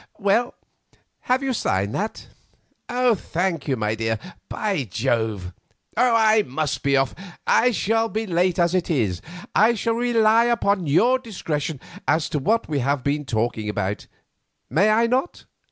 "Well, have you signed that? Thank you, my dear. By Jove! I must be off; I shall be late as it is. I may rely upon your discretion as to what we have been talking about, may I not?